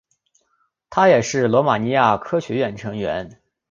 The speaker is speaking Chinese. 他也是罗马尼亚科学院成员。